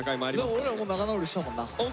俺らもう仲直りしたもんな。